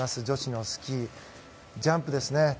女子のスキージャンプですね。